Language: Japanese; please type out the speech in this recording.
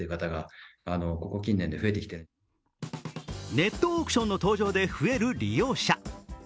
ネットオークションの登場で増える利用者。